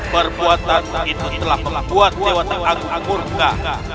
perbuatanmu itu telah membuat dewata agung murka